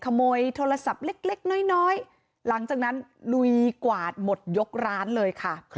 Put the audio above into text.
ขโมยโทรศัพท์เล็กน้อยหลังจากนั้นลุยกวาดหมดยกร้านเลยค่ะ